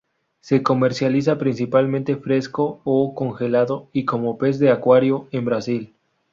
Se comercializa principalmente fresco o congelado, y como pez de acuario en Brasil.